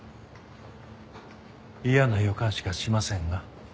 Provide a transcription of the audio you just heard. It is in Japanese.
嫌な予感しかしませんが。